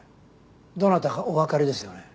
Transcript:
どなたかおわかりですよね？